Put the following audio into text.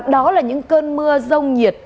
đó là những cơn mưa rông nhiệt